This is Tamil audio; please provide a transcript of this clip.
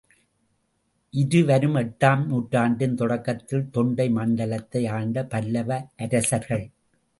இருவரும் எட்டாம் நூற்றாண்டின் தொடக்கத்தில் தொண்டை மண்டலத்தை ஆண்ட பல்லவ அரசர்கள்.